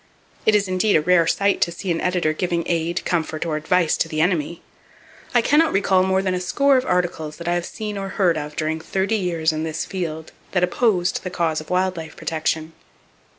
It is indeed a rare sight to see an editor giving aid, comfort or advice to the enemy. I can not recall more than a score of articles that I have seen or heard of during thirty years in this field that opposed the cause of wild life protection.